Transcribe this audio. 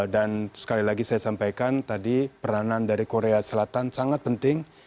dan sekali lagi saya sampaikan tadi peranan dari korea selatan sangat penting